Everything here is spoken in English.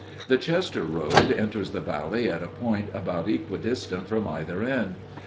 The Chester road enters the valley at a point about equidistant from either end.